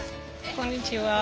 こんにちは。